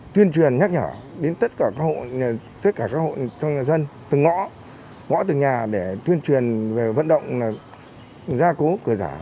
tuyên truyền nhắc nhở đến tất cả các hộ nhân dân từ ngõ ngõ từ nhà để tuyên truyền về vận động ra cố cửa giả